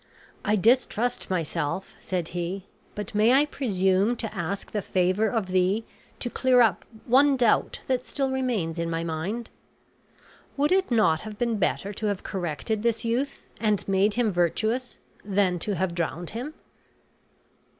"I distrust myself," said he, "but may I presume to ask the favor of thee to clear up one doubt that still remains in my mind? Would it not have been better to have corrected this youth, and made him virtuous, than to have drowned him?"